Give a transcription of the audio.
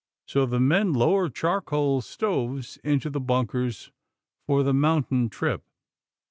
So the men lower charcoal stoves into the bunkers for the mountain trip.